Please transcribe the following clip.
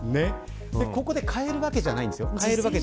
ここで買えるわけじゃないんですよ。